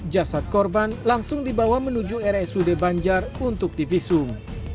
jasad korban langsung dibawa menuju rsud banjar untuk divisum